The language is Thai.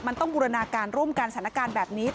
มันต้องบูรณาการร่วมกันสถานการณ์แบบนี้